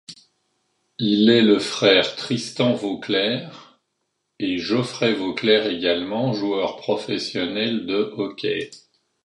Il est le frère Tristan Vauclair et Geoffrey Vauclair également joueurs professionnels de hockey.